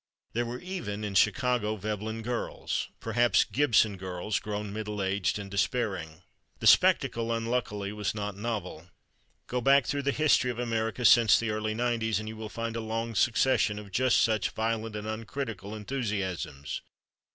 There were even, in Chicago, Veblen Girls—perhaps Gibson girls grown middle aged and despairing. The spectacle, unluckily, was not novel. Go back through the history of America since the early nineties, and you will find a long succession of just such violent and uncritical enthusiasms.